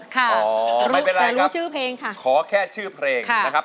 ค่ะไม่เป็นไรแต่รู้ชื่อเพลงค่ะขอแค่ชื่อเพลงนะครับ